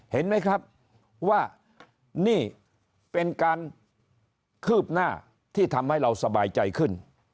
เห็นไหมครับว่านี่เป็นการคืบหน้าที่ทำให้เราสบายใจขึ้น